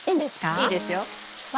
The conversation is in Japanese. いいですよ。わ。